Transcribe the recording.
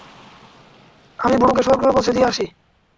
আমি বুড়োকে স্বর্গে পৌঁছে দিয়ে আসি।